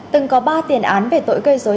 từng có ba tiền án về tội cây dối